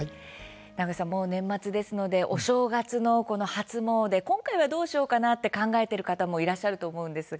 名越さん年末ですのでお正月の初詣を今回はどうしようかと考えている方もいらっしゃると思いますが。